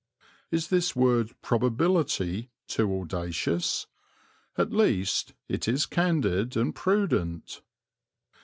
Is this word "probability" too audacious? At least, it is candid and prudent.